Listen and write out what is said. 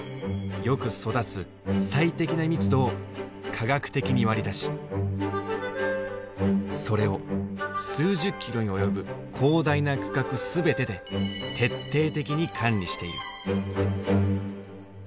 よく育つ最適な密度を科学的に割り出しそれを数十キロに及ぶ広大な区画全てで徹底的に管理している。